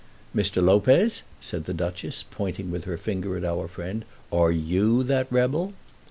"Mr. Lopez," said the Duchess, pointing with her finger at our friend, "are you that rebel?"